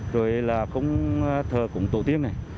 rồi là không thờ củng tổ tiên này